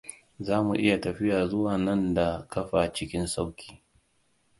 Za mu iya tafiya zuwa nan da ƙafa cikin sauƙi.